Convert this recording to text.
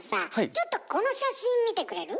ちょっとこの写真見てくれる？